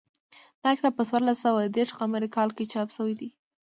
دا کتاب په څوارلس سوه دېرش قمري کال کې چاپ شوی دی